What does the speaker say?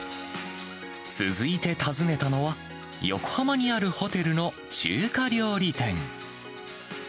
続いて訪ねたのは、横浜にあるホテルの中華料理店。